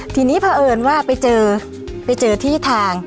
ทีนี้เพราะเอิญว่าไปเจอไปเจอที่ทาง